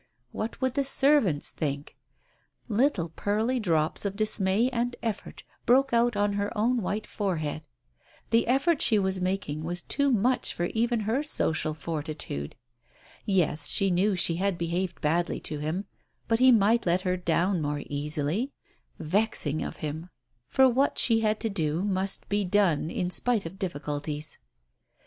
What would the servants think ? Little pearly drops of dismay and effort broke out on her own white forehead; the c 2 Digitized by Google ^ 20 TALES OF THE UNEASY effort she was making was too much for even her social fortitude. Yes, she knew she had behaved badly to him, but he might let her down more easily I Vexing of him I For what she had to do, must be done, in spite of difficulties.